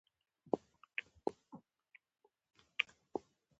کله له چا سره یو ډول مخالف وي.